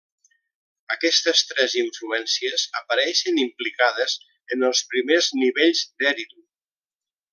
Aquestes tres influències apareixen implicades en els primers nivells d'Èridu.